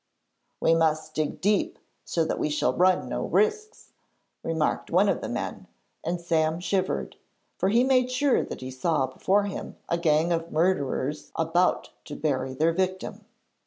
'We must dig deep, so that we shall run no risks,' remarked one of the men, and Sam shivered, for he made sure that he saw before him a gang of murderers about to bury their victim.